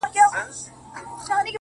ما مينه ورکړله” و ډېرو ته مي ژوند وښودئ”